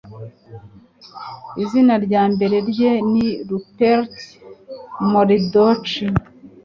Izina Ryambere rye ni Rupert Murdoch